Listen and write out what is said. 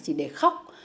chỉ để khóc